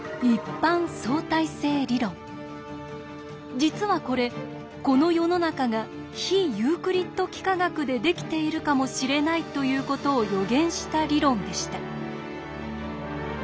実はこれこの世の中が非ユークリッド幾何学でできているかもしれないということを予言した理論でした。